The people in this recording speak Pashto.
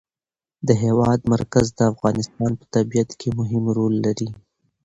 د هېواد مرکز د افغانستان په طبیعت کې مهم رول لري.